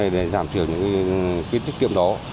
để giảm thiểu những cái tiết kiệm đó